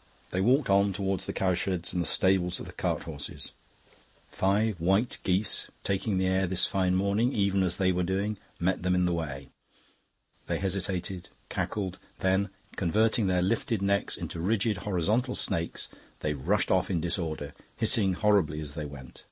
'" They walked on towards the cowsheds and the stables of the cart horses. Five white geese, taking the air this fine morning, even as they were doing, met them in the way. They hesitated, cackled; then, converting their lifted necks into rigid, horizontal snakes, they rushed off in disorder, hissing horribly as they went.